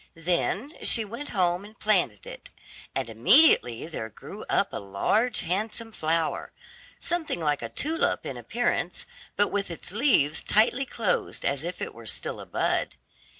Then she went home and planted it, and immediately there grew up a large handsome flower, something like a tulip in appearance, but with its leaves tightly closed as if it were still a bud.